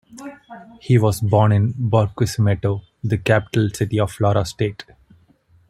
He was born in Barquisimeto, the capital city of Lara state.